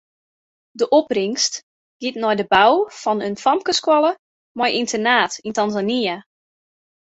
De opbringst giet nei de bou fan in famkesskoalle mei ynternaat yn Tanzania.